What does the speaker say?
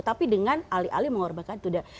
tapi dengan alih alih mengorbankan itu